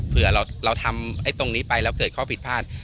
เผื่อเราทำตรงนี้ไปแล้วเกิดข้อผิดพลาด